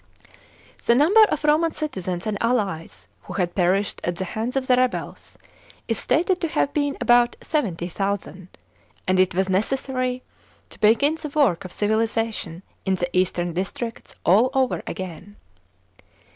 The number of Roman citizens and allies, who had perished at the hands of the rebels, is stated to have been about 70,000, and it. was necessary to begin the work of civilisation in the eastern districts all over again.